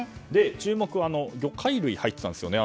注目は魚介類が入ってたんです。